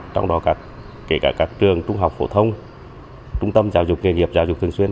trong đó kể cả các trường trung học phổ thông trung tâm giáo dục nghề nghiệp giáo dục thường xuyên